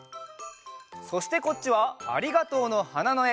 そしてこっちは「ありがとうの花」のえ。